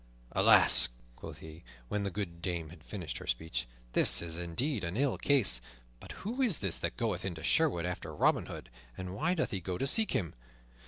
"Alas," quoth he, when the good dame had finished her speech, "this is indeed an ill case. But who is this that goeth into Sherwood after Robin Hood, and why doth he go to seek him?